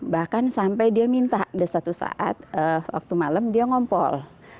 bahkan sampai dia minta satu saat waktu malam dia ngompol